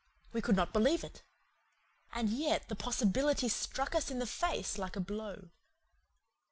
We could not believe it. And yet the possibility struck us in the face like a blow.